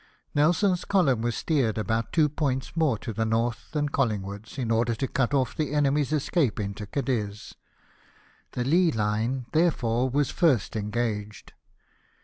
Nelson's column was steered about two points more to the north than CoUingwood's, in order to cut off the enemy's escape into Cadiz ; the lee line, there fore, was first engaged.